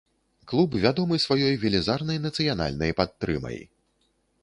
Клуб вядомы сваёй велізарнай нацыянальнай падтрымай.